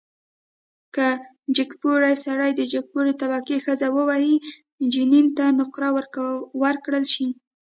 که جګپوړی سړی د جګپوړي طبقې ښځه ووهي، جنین ته نقره ورکړل شي.